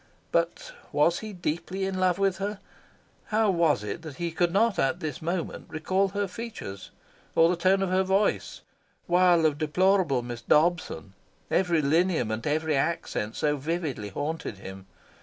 But was he deeply in love with her? How was it that he could not at this moment recall her features, or the tone of her voice, while of deplorable Miss Dobson, every lineament, every accent, so vividly haunted him?